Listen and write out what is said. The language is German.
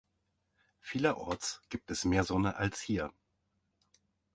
Vielerorts gibt es mehr Sonne als hier.